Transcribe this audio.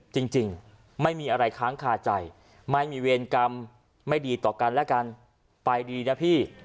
จริงไม่มีอะไรค้างคาใจไม่มีเวรกรรมไม่ดีต่อกันและกันไปดีนะพี่